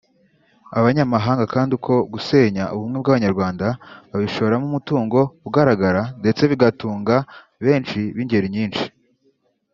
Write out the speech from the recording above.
Abanyamahanga kandi uko gusenya ubumwe bw’abanyarwanda babishoramo umutungo ugaragara ndetse bigatunga benshi b’ingeri nyinshi